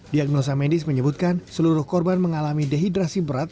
diagnosa medis menyebutkan seluruh korban mengalami dehidrasi berat